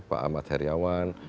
pak ahmad heriawan